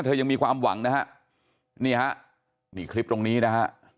เธอยังมีความหวังนะนี่ครับมีคลิปตรงนี้นะ